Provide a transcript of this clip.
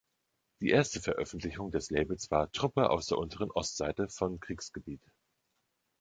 Die erste Veröffentlichung des Labels war „Truppe aus der unteren Ostseite“ von Kriegsgebiet.